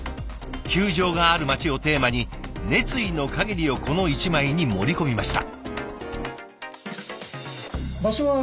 「球場がある町」をテーマに熱意の限りをこの１枚に盛り込みました。